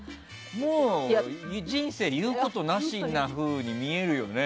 もう人生で言うことなしなふうに見えるよね。